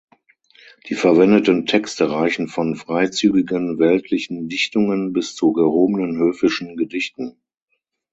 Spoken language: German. Die verwendeten Texte reichen von freizügigen weltlichen Dichtungen bis zu gehobenen höfischen Gedichten.